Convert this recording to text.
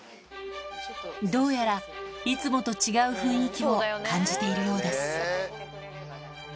どうやらいつもと違う雰囲気を感じているようです